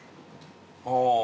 ああ。